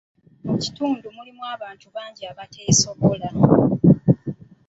Mu kitundu mulimu abantu bangi abateesobola.